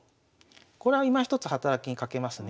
これはいまひとつ働きに欠けますね。